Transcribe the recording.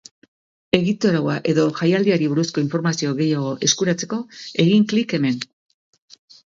Egitaraua edota jaialdiari buruzko informazio gehiago eskuratzeko, egin klik hemen.